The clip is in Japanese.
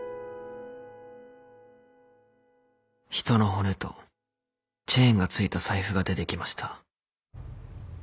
人の骨とチェーンがついた財布が出てきました。